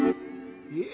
え？